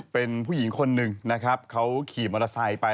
เป็นผู้หญิงคนหนึ่งนะครับเขาขี่มอเตอร์ไซค์ไป